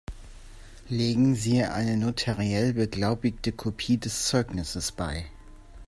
Legen Sie eine notariell beglaubigte Kopie des Zeugnisses bei.